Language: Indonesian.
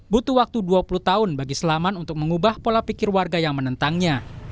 butuh waktu dua puluh tahun bagi selamat untuk mengubah pola pikir warga yang menentangnya